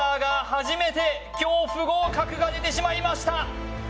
初めて今日不合格が出てしまいました